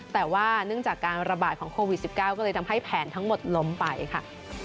แต่ว่าเนื่องจากการระบาดของโควิด๑๙ก็เลยทำให้แผนทั้งหมดล้มไปค่ะ